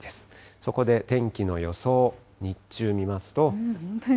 そこで天気の予想、日中見ますと。